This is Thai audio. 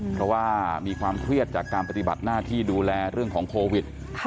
เพราะว่ามีความเครียดจากการปฏิบัติหน้าที่ดูแลเรื่องของโควิด